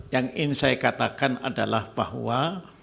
yang ingin saya katakan adalah bahwa